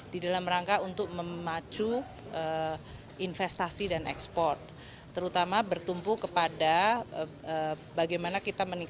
di dalam rangka untuk memacu investasi dan ekspor